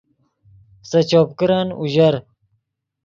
سے چوپ کرن اوژر